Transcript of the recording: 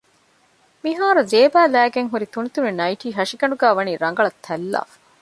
މިހާރު ޒޭބާ ލައިގެންހުރި ތުނިތުނި ނައިޓީ ހަށިގަނޑުގައި ވަނީ ރަނގަޅަށް ތަތްލާފަ